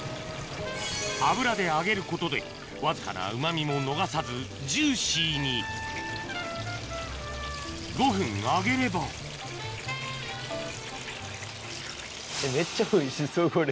油で揚げることでわずかなうま味も逃さずジューシーに５分揚げればめっちゃおいしそうこれ。